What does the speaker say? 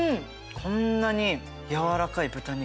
こんなに柔らかい豚肉